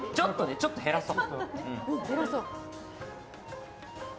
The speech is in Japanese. ちょっと減らそう。